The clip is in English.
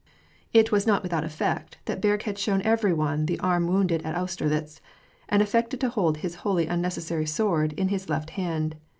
It was not without effect that Berg had shown every one the arm wounded at Austerlitz, and affected to hold his wnolly unnecessary sword in his left hand.